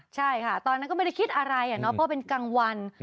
ใช่ค่ะตอนนั้นก็ไม่ได้คิดอะไรเนาะเพราะเป็นกลางวัน